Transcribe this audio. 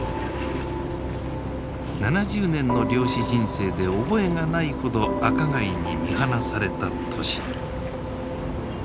７０年の漁師人生で覚えがないほど赤貝に見放された年。